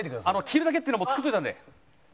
切るだけっていうのも作っといたんで。